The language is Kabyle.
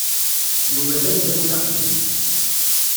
Yuba d ameddakel aqdim.